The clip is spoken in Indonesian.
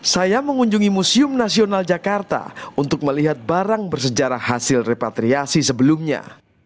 saya mengunjungi museum nasional jakarta untuk melihat barang bersejarah hasil repatriasi sebelumnya